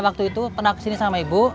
waktu itu pernah ke sini sama ibu